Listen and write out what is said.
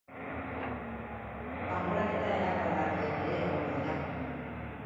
Kanporaketa erakargarriak ere egongo dira.